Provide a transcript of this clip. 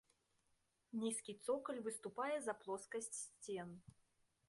Нізкі цокаль выступае за плоскасць сцен.